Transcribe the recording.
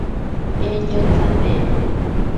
Entyo tsame.